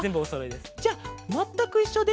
じゃあまったくいっしょで。